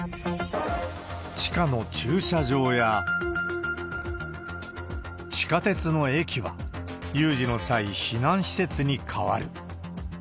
地下の駐車場や地下鉄の駅は、有事の際、避難施設に変わる。